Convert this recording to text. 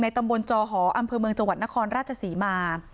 ในตำบลจอหออำเภา๑๑๐จังหวัดนครราชสิมา